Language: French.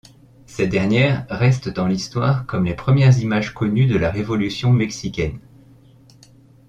Ces dernières restent dans l'histoire comme les premières images connues de la révolution mexicaine.